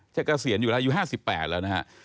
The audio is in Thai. เจ้ากระเศียรอยู่ร้ายอยู่๕๘แล้วนะฮะ